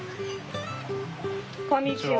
こんにちは。